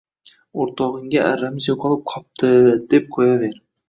O‘rtog‘ingga arramiz yo‘qolib qopti, deb qo‘yaver